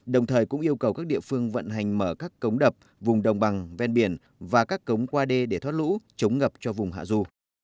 đồng thời cũng yêu cầu các địa phương vận hành mở các cống đập vùng đồng bằng ven biển và các cống qua đê để thoát lũ chống ngập cho vùng hạ du